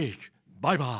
バイバイ。